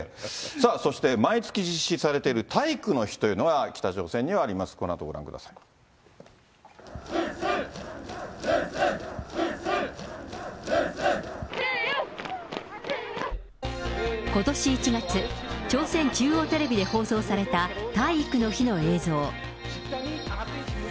そして毎月実施されている体育の日というのが、北朝鮮にはありまことし１月、朝鮮中央テレビで放送された体育の日の映像。